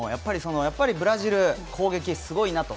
やっぱりブラジル攻撃すごいなと。